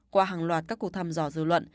qua hàng loạt các cuộc thăm dò dư luận